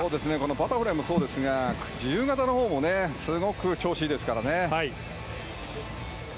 バタフライもそうですが自由形のほうもすごく調子がいいですからね。